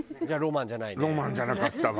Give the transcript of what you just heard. ロマンじゃなかったわ。